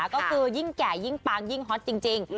ก็คือยิ่งแก่ยิ่งปางยิ่งฮอตจริง